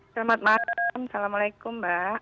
selamat malam assalamualaikum mbak